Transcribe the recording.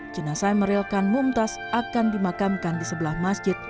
jenazah merilkan mumtaz akan dimakamkan di sebelah masjid